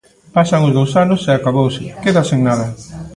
Pasan os dous anos e acabouse, quedas sen nada.